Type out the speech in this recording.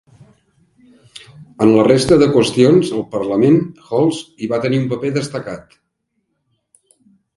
En la resta de qüestions al Parlament, Holles hi va tenir un paper destacat.